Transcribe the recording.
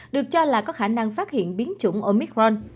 được cho là có khả năng phát hiện biến chủng omicron